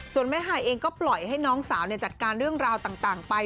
ส่วนแม่ฮายเองก็ปล่อยให้น้องสาวจัดการเรื่องราวต่างไป